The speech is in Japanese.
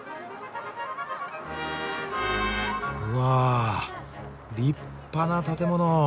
うわ立派な建物。